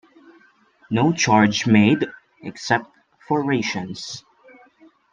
No charge made, except for rations.